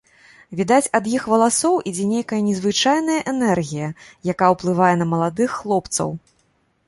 Відаць, ад іх валасоў ідзе нейкая незвычайная энергія, якая ўплывае на маладых хлопцаў.